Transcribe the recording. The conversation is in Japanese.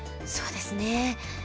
そうですね。